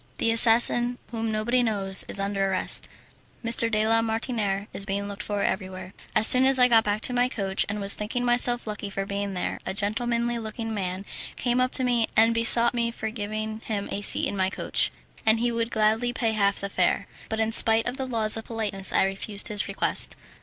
The assassin, whom nobody knows, is under arrest. M. de la Martiniere is being looked for everywhere." As soon as I had got back to my coach, and was thinking myself lucky for being there, a gentlemanly looking young man came up to me and besought me to give him a seat in my coach, and he would gladly pay half the fare; but in spite of the laws of politeness I refused his request.